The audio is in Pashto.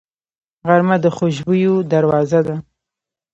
غرمه د خوشبویو دروازه ده